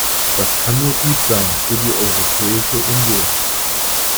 Das kann nur gut sein für die Europäische Union.